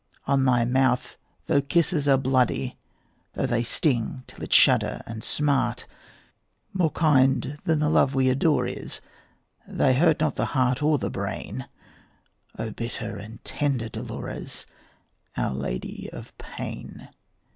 On thy mouth though the kisses are bloody, Though they sting till it shudder and smart, More kind than the love we adore is, They hurt not the heart or the brain, O bitter and tender Dolores, Our Lady of Pain.